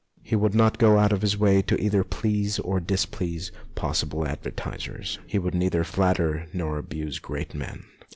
He would not go out of his way either to please or dis please possible advertisers. He would neither flatter nor abuse great men.